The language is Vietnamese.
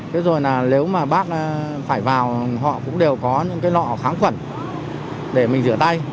thế rồi là nếu mà bác phải vào họ cũng đều có những cái lọ kháng khuẩn để mình rửa tay